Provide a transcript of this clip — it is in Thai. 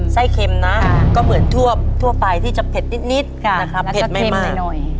เค็มนะก็เหมือนทั่วไปที่จะเผ็ดนิดนะครับเผ็ดไม่มาก